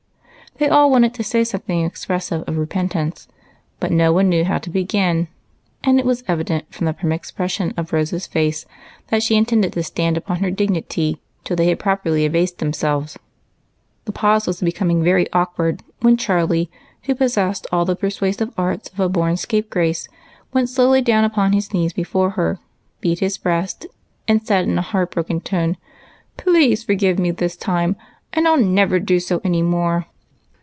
They all wanted to say something expressive of repentance, but no one knew how to begin, and it was evident, from the prim expression of Rose's face, that she intended to stand upon her dignity till they had properly abased them selves. The i^ause was becoming very awkward, when Charlie, who possessed all the persuasive arts of a born scapegrace, went slowly down upon his knees before her, beat his breast, and said, in a heart broken tone, — "Please forgive me this time, and I'll never do so any more."